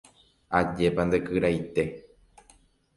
ajépa nde kyraite